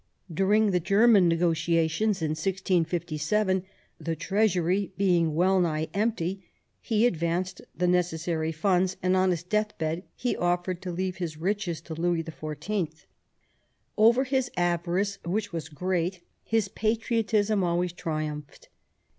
During the German negotiations in 1657, the Treasury being well nigh empty, he advanced the necessary funds, and on his death bed he offered to leave his riches to Louis XIV. Over his avarice, which was great, his patriotism always triumphed.